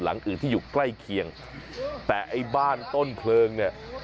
หลังอื่นที่อยู่ใกล้เคียงแต่ไอ้บ้านต้นเพลิงเนี่ย